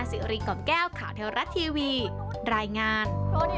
มาซิริกกำแก้วข่าวเทวรัฐทีวีรายงาน